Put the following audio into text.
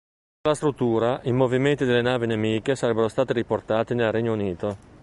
Dalla struttura, i movimenti delle navi nemiche sarebbero stati riportati nel Regno Unito.